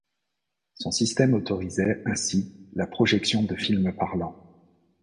Son système autorisait ainsi la projection de films parlants.